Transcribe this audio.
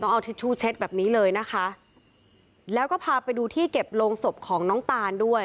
เอาทิชชู่เช็ดแบบนี้เลยนะคะแล้วก็พาไปดูที่เก็บโรงศพของน้องตานด้วย